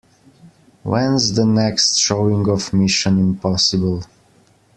When's the next showing of Mission: Impossible?